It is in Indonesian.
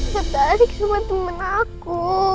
sedarik semua teman aku